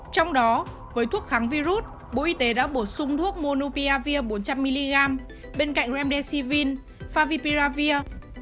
trong đó với thuốc kháng virus bộ y tế đã bổ sung thuốc monupiavir bốn trăm linh mg bên cạnh remdesivin favipiravir